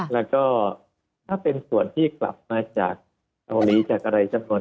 แล้วก็ถ้าเป็นส่วนที่กลับมาจากเกาหลีจากอะไรจำนวน